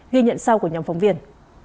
ghi nhận sau của nhóm phóng viên